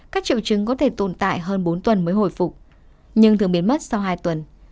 các triệu chứng có thể tồn tại hơn bốn tuần mới hồi phục nhưng thường biến mất sau hai tuần